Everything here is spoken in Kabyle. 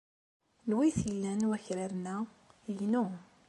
Anwa ay ten-ilan wakraren-a? Inu.